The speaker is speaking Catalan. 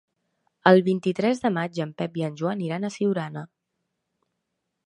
El vint-i-tres de maig en Pep i en Joan iran a Siurana.